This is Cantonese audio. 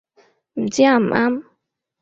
唔知啱唔啱